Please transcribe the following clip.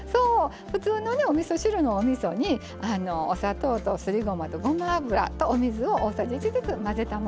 普通のねおみそ汁のおみそにお砂糖とすりごまとごま油とお水を大さじ１ずつ混ぜたものになります。